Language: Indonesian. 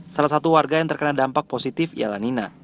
salah satu warga yang terkena dampak positif ialah nina